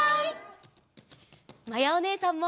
まやおねえさんも。